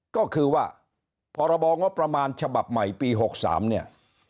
ก็คือว่าพรบงบประมาณฉบับใหม่ปี๖๓เนี่ย